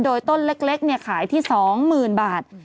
โดยต้นเล็กขายที่๒๐๐๐บาท